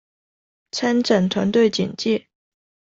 參展團隊簡介